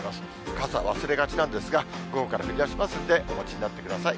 傘忘れがちなんですが、午後から降りだしますんでお持ちになってください。